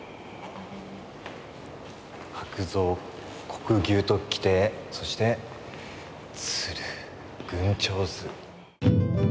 白象黒牛ときてそして鶴群鳥図。